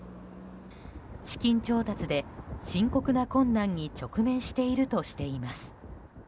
資金調達で深刻な困難に直面しているとしています。